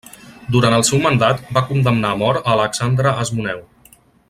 Durant el seu mandat, va condemnar a mort a Alexandre Asmoneu.